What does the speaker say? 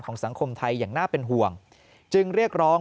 สังคมไทยอย่างน่าเป็นห่วงจึงเรียกร้อง